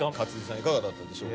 いかがだったでしょう？